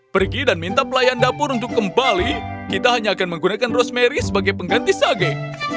pergi dan minta pelayan dapur untuk kembali kita hanya akan menggunakan rosemary sebagai pengganti sage